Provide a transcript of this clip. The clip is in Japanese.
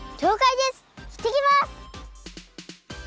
いってきます！